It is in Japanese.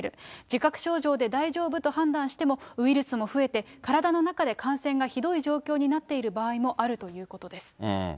自覚症状で大丈夫と判断しても、ウイルスも増えて、体の中で感染がひどい状況になっている場合もあるということです。